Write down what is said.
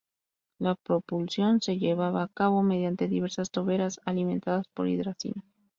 La propulsión se llevaba a cabo mediante diversas toberas alimentadas por hidracina.